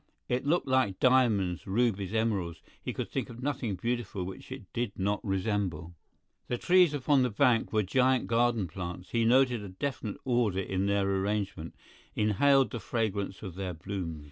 It looked like diamonds, rubies, emeralds; he could think of nothing beautiful which it did not resemble. The trees upon the bank were giant garden plants; he noted a definite order in their arrangement, inhaled the fragrance of their blooms.